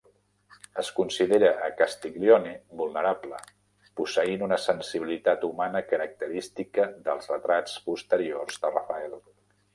Es considera a Castiglione vulnerable, posseint una sensibilitat humana característica dels retrats posteriors de Rafael.